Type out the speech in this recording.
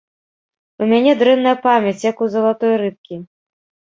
У мяне дрэнная памяць, як у залатой рыбкі.